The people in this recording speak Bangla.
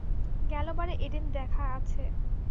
গেল বারে এডেন দেখা আছে।